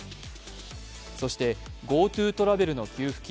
そしてＧｏＴｏトラベルの給付金